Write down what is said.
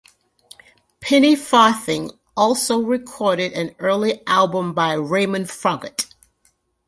Penny Farthing also recorded an early album by Raymond Froggatt.